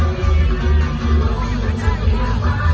เห้ยยไม่แต่งนี้ก็ชอบสะโต๊ะ